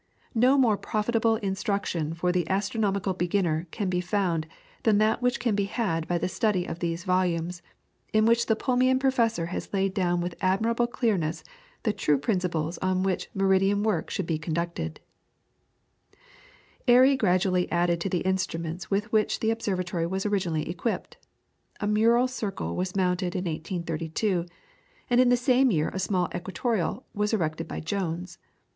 No more profitable instruction for the astronomical beginner can be found than that which can be had by the study of these volumes, in which the Plumian Professor has laid down with admirable clearness the true principles on which meridian work should be conducted. [PLATE: SIR GEORGE AIRY. From a Photograph by Mr. E.P. Adams, Greenwich.] Airy gradually added to the instruments with which the observatory was originally equipped. A mural circle was mounted in 1832, and in the same year a small equatorial was erected by Jones.